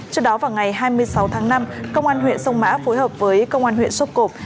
trước đó vào ngày hai mươi sáu tháng năm công an huyện sông mã phối hợp với công an huyện sốp cộp